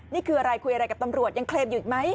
นี่คืออะไรคุยอะไรกับตำรวจยังเคลมอยู่อีกไหม